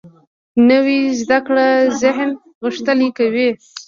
نوې زده کړه ذهن غښتلی کوي